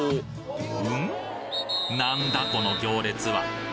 なんだこの行列は？